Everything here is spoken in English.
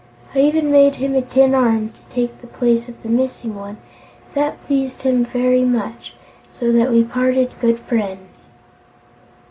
I even made him a tin arm to take the place of the missing one, and that pleased him very much, so that we parted good friends."